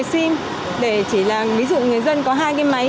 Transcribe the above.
thì người ta rất là không thường người ta rất là ngại